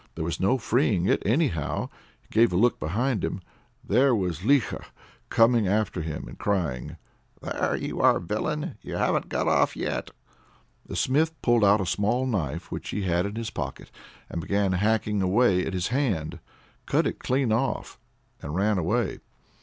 There was no freeing it anyhow. He gave a look behind him. There was Likho coming after him, and crying: "There you are, villain! you've not got off yet!" The Smith pulled out a small knife which he had in his pocket, and began hacking away at his hand cut it clean off and ran away.